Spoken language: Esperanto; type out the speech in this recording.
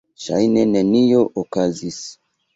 Ŝajne nenio okazis.